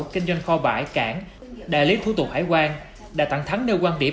và kinh doanh kho bãi cảng đại lý thủ tục hải quan đã tặng thắng nêu quan điểm